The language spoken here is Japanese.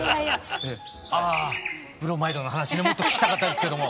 ああブロマイドの話がもっと聞きたかったんですけども。